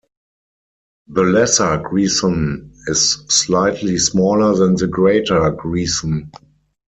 The lesser grison is slightly smaller than the greater grison.